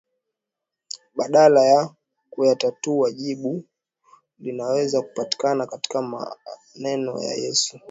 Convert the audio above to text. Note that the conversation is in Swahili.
badala ya kuyatatua Jibu linaweza kupatikana katika maneno ya Yesu